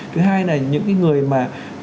thứ hai là những cái người mà